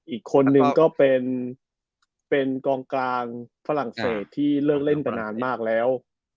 อีกคนนึงก็เป็นกองกลางฝรั่งเศสที่เลิกเล่นไปนานมากแล้ว